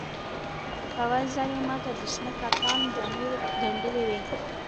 په اول ځل یې ماته د شنه کتان جامې ګنډلې وې.